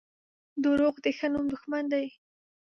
• دروغ د ښه نوم دښمن دي.